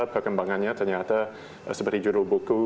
kenapa perkembangannya ternyata seperti judul buku